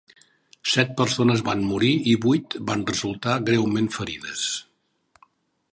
Set persones van morir i vuit van resultar greument ferides.